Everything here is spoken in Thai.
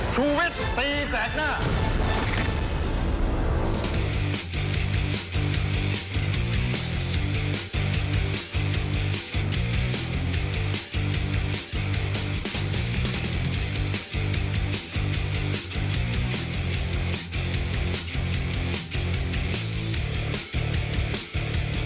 ชีวิตตีแสดหน้า